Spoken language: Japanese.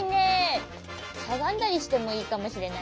しゃがんだりしてもいいかもしれないね。